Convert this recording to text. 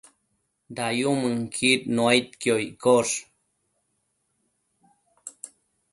Dayumënquid nuaidquio iccosh